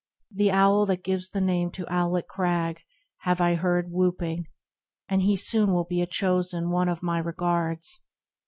The owl that gives the name to Owlet Crag Have I heard whooping, and he soon will be A chosen one of my regards.